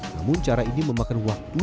namun cara ini memakan waktu